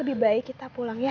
lebih baik kita pulang ya